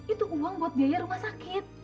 itu uang buat biaya rumah sakit